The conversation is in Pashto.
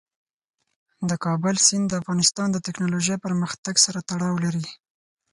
د کابل سیند د افغانستان د تکنالوژۍ پرمختګ سره تړاو لري.